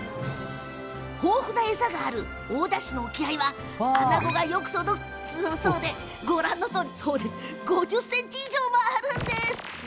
豊富な餌がある大田市の沖合はあなごがよく育つそうでご覧のとおり５０ｃｍ以上もあるんです。